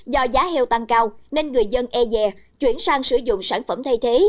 do giá heo tăng cao nên người dân e dè chuyển sang sử dụng sản phẩm thay thế